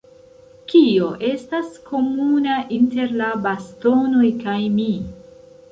Kio estas komuna inter la bastonoj kaj mi?